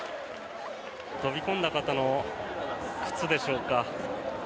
飛び込んだ方の靴でしょうか。